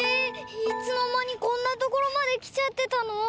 いつのまにこんなところまできちゃってたの？